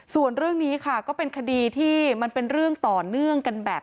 ส่วนเรื่องนี้ค่ะก็เป็นคดีที่มันเป็นเรื่องต่อเนื่องกันแบบ